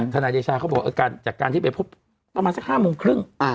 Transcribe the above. นายเดชาเขาบอกจากการที่ไปพบประมาณสัก๕โมงครึ่ง